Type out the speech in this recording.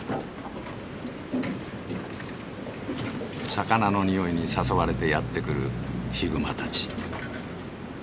魚のにおいに誘われてやって来るヒグマたち。